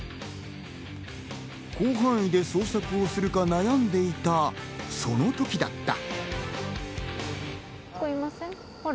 広範囲で捜索をするか悩んでいたその瞬間だった。